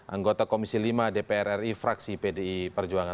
anggota komisi lima dpr ri fraksi pdi perjuangan